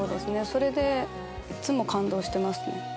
それでいつも感動してますね。